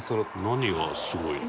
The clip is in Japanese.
「何がすごいの？